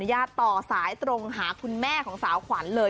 ขอนุญาตต่อสายตรงหาคุณแม่ของสาวขวัญ